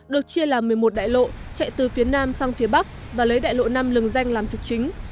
được chia làm một mươi một đại lộ chạy từ phía nam sang phía bắc và lấy đại lộ năm lừng danh làm trục chính